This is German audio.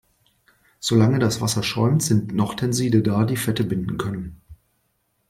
Solange das Wasser schäumt, sind noch Tenside da, die Fette binden können.